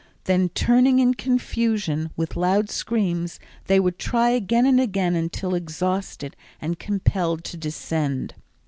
Then turning in confusion with loud screams they would try again and again until exhausted and compelled to descend.